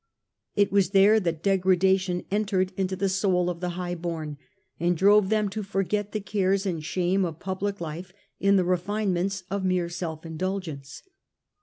It was there that degrada tion entered into the soul of the highborn, and drove them to forget the cares and shame of public life in the refinements of mere self indulgence.